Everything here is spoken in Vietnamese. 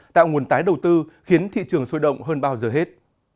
tạo nguồn tái đầu tư khiến thị trường sôi động hơn bao giờ hết